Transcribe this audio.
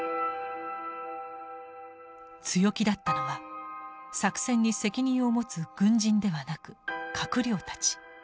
強気だったのは作戦に責任を持つ軍人ではなく閣僚たち。